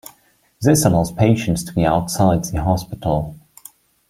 This allows patients to be outside the hospital.